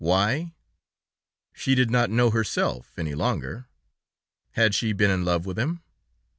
Why? She did not know herself, any longer. Had she been in love with him?